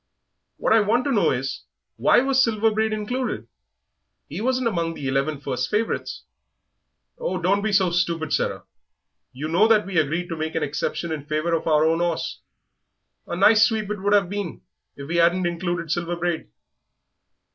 "What I want to know is, why Silver Braid was included? he wasn't among the eleven first favourites." "Oh, don't be so stupid, Sarah; you know that we agreed to make an exception in favour of our own 'orse a nice sweep it would 'ave been if we 'adn't included Silver Braid."